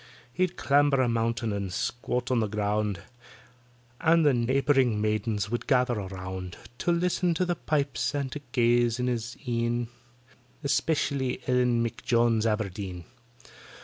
He'd clamber a mountain and squat on the ground, And the neighbouring maidens would gather around To list to the pipes and to gaze in his een, Especially ELLEN M'JONES ABERDEEN.